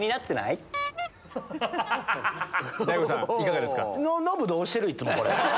いかがですか？